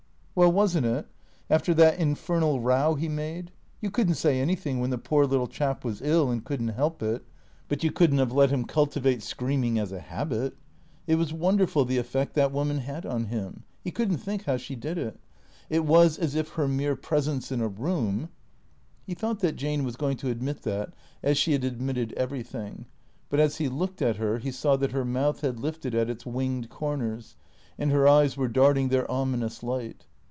Well, wasn't it? After that infernal row he made? You could n't say anything when the poor little chap was ill and could n't help it, but you could n't have let him cultivate scream ing as a habit. It was wonderful the effect that woman had on him. He could n't think how she did it. It was as if her mere presence in a room He thought that Jane was going to admit that as she had admitted everything, but as he looked at her he saw that her mouth had lifted at its winged corners, and her eyes were darting their ominous light.